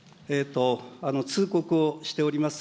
通告をしております